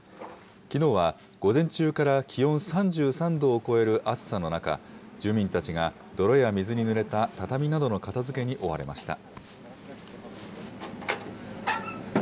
きのうは午前中から気温３３度を超える暑さの中、住民たちが泥や水にぬれた畳などの片づけに追われました。